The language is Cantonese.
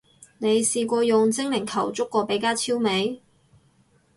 你試過用精靈球捉過比加超未？